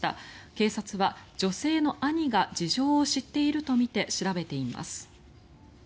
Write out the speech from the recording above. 警察は女性の兄が事情を知っているとみて調べています。